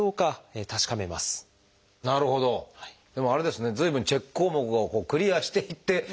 でもあれですね随分チェック項目をクリアしていって特定していくっていうか。